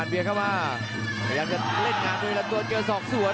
เข้ามาแล้วเล่นงานเป็นระดวนเกียรติสองส่วน